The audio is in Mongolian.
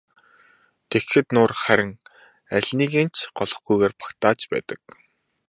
Тэгэхэд нуур харин алиныг нь ч голохгүйгээр багтааж байдаг.